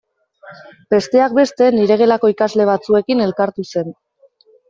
Besteak beste nire gelako ikasle batzuekin elkartu zen.